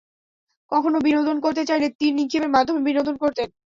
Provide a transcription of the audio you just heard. কখনো বিনোদন করতে চাইলে তীর নিক্ষেপের মাধ্যমে বিনোদন করতেন।